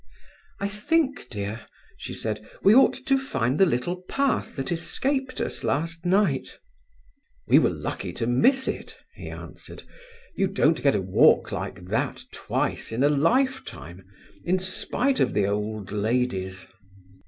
"I think, dear," she said, "we ought to find the little path that escaped us last night." "We were lucky to miss it," he answered. "You don't get a walk like that twice in a lifetime, in spite of the old ladies."